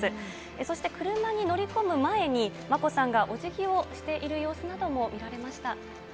そして車に乗り込む前に、眞子さんがおじぎをしている様子なども見られました。